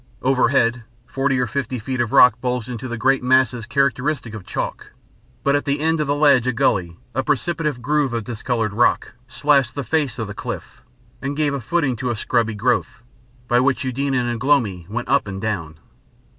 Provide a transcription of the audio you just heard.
Overhead, forty or fifty feet of rock bulged into the great masses characteristic of chalk, but at the end of the ledge a gully, a precipitous groove of discoloured rock, slashed the face of the cliff, and gave a footing to a scrubby growth, by which Eudena and Ugh lomi went up and down.